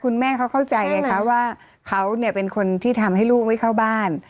คุณแม่เขาเข้าใจไงคะว่าเขาเนี่ยเป็นคนที่ทำให้ลูกไม่เข้าบ้าน